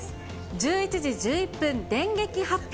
１１時１１分、電撃発表。